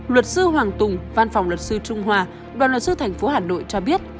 luật sư hoàng tùng văn phòng luật sư trung hòa đoàn luật sư thành phố hà nội cho biết